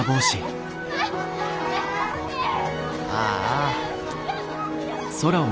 ああ。